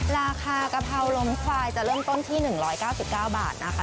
ราคากะเพราลมควายจะเริ่มต้นที่๑๙๙บาทนะคะ